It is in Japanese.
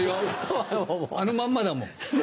あのまんまだもん。